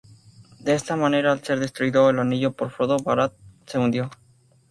De esa manera, al ser destruido el Anillo por Frodo, Barad-dûr se hundió.